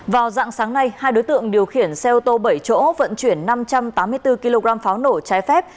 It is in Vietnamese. vào dạng sáng nay hai đối tượng điều khiển xe ô tô bảy chỗ vận chuyển năm trăm tám mươi bốn kg pháo nổ trái phép